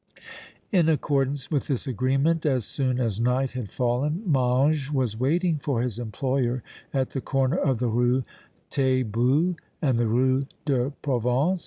In accordance with this agreement, as soon as night had fallen, Mange was waiting for his employer at the corner of the Rue Taitbout and the Rue de Provence.